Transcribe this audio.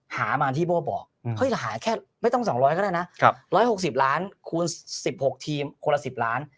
หามาที่โบ้บอกหาแค่ไม่ต้อง๒๐๐ก็ได้นะ๑๖๐ล้านคูณ๑๖ทีมคนละ๑๐ล้าน